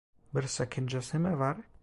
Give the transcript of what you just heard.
Bir sakıncası mı var?